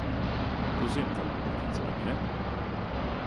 Tu zini, ka man patīc, vai ne?